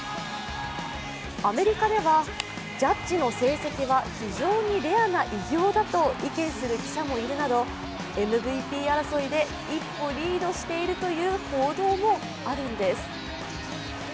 アメリカではジャッジの成績は非常にレアな偉業だと意見する記者もいるなどＭＶＰ争いで一歩リードしているという報道もあるんです。